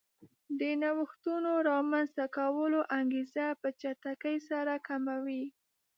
د نوښتونو رامنځته کولو انګېزه په چټکۍ سره کموي